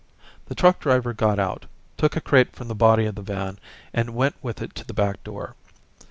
The truck driver got out, took a crate from the body of the van, and went with it to the back door.